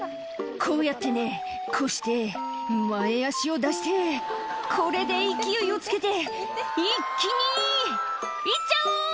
「こうやってねこうして前足を出してこれで勢いをつけて一気に行っちゃおう！」